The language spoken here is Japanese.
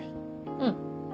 うん。